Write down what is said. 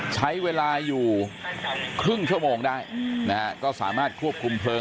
ใช้เวลาอยู่ครึ่งชั่วโมงได้นะฮะก็สามารถควบคุมเพลิง